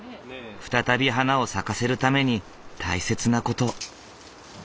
再び花を咲かせるために大切な事。